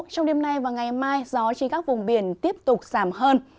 trong đêm nay và ngày mai gió trên các vùng biển tiếp tục giảm hơn